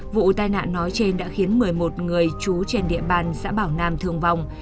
vụ tai nạn nói trên đã khiến một mươi một người trú trên địa bàn xã bảo nam thương vong